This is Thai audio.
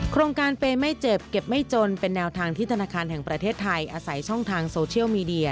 โครงการเปย์ไม่เจ็บเก็บไม่จนเป็นแนวทางที่ธนาคารแห่งประเทศไทยอาศัยช่องทางโซเชียลมีเดีย